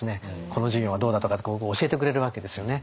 この授業はどうだとか教えてくれるわけですよね。